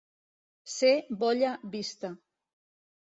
Ser bolla vista.